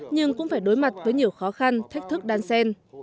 nhưng cũng phải đối mặt với nhiều khó khăn thách thức đan sen